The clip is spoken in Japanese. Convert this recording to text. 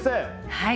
はい。